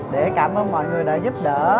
để cảm ơn mọi người đã giúp đỡ